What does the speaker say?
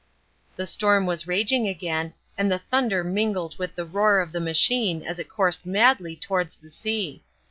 The storm was raging again, and the thunder mingled with the roar of the machine as it coursed madly towards the sea.